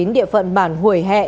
địa phận bản hồi hẹ